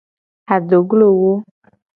Adoglowo.